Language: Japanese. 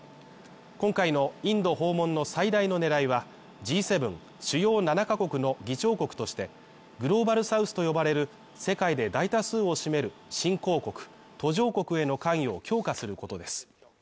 今回のインド訪問の最大の狙いは、Ｇ７＝主要７カ国の議長国として、グローバルサウスと呼ばれる世界で大多数を占める新興国、途上国への関与を強化することです。